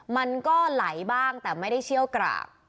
มันก็ไหลบ้างแต่ไม่ได้เชี่ยวกราบ